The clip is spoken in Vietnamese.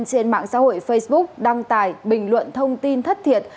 trên mạng xã hội facebook đăng tải bình luận thông tin thất thiệt